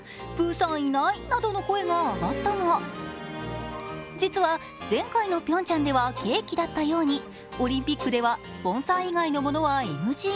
プーさんいないなどの声が上がったが、実は前回のピョンチャンではケーキだったようにオリンピックではスポンサー以外のものはＮＧ。